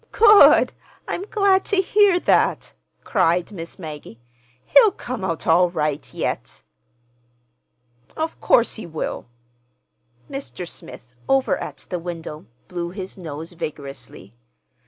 "Good! I'm glad to hear that," cried Miss Maggie. "He'll come out all right, yet." "Of course he will!" Mr. Smith, over at the window, blew his nose vigorously.